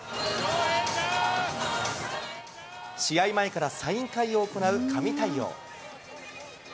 試合前からサイン会を行う神対応。